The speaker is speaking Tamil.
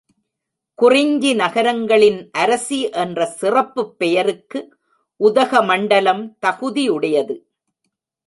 குறிஞ்சி நகரங்களின் அரசி என்ற சிறப்புப் பெயருக்கு உதகமண்டலம் தகுதியுடையது.